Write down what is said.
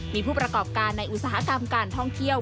มีผู้ประกอบการในอุตสาหกรรมการท่องเที่ยว